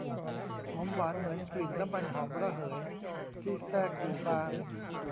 หอมหวานเหมือนกลิ่นน้ำมันหอมระเหยที่แทรกอยู่บาง